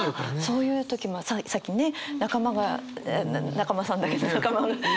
そういう時もさっきね仲間が中間さんだけど仲間がいたらね。